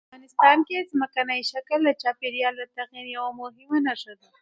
افغانستان کې ځمکنی شکل د چاپېریال د تغیر یوه مهمه نښه ده.